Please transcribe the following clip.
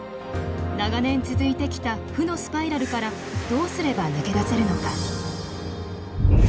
長年続いてきた負のスパイラルからどうすれば抜け出せるのか？